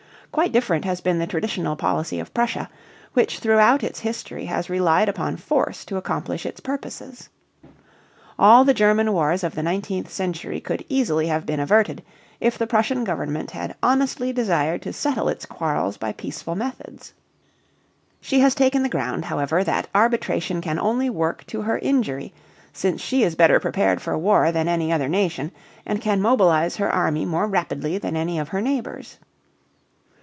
Quite different has been the traditional policy of Prussia, which throughout its history has relied upon force to accomplish its purposes. All the German wars of the nineteenth century could easily have been averted if the Prussian government had honestly desired to settle its quarrels by peaceful methods. She has taken the ground, however, that arbitration can only work to her injury, since she is better prepared for war than any other nation and can mobilize her army more rapidly than any of her neighbors.